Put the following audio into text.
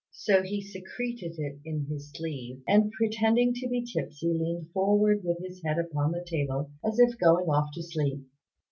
So he secreted it in his sleeve, and, pretending to be tipsy, leaned forward with his head upon the table as if going off to sleep.